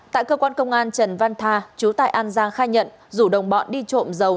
tại cơ quan công an trần văn tha chú tại an giang khai nhận dù đồng bọn đi trộm dầu